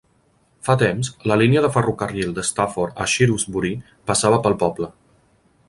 Fa temps, la línia de ferrocarril de Stafford a Shrewsbury passava pel poble.